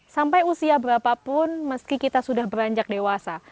sampai usia berapapun meski kita sudah beranjak dewasa